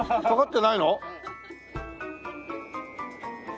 かかってないの？